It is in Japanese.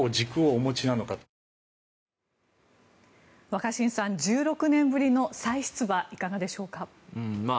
若新さん、１６年ぶりの再出馬、いかがでしょうか。